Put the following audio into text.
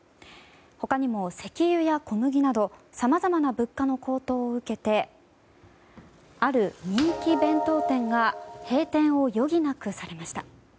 他にも石油や小麦などさまざまな物価の高騰を受けてある人気弁当店が閉店を余儀なくされました。